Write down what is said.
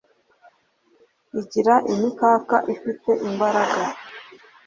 Igira imikaka ifite imbaraga